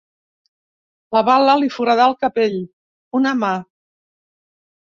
La bala li foradà el capell, una mà.